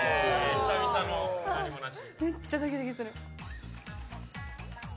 久々の何もなし。